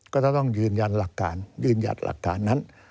ก็จะต้องยืนยันหลักการยืนหยัดหลักการนั้น